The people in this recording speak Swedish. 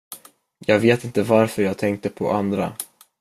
Jag vet inte varför jag tänkte på andra.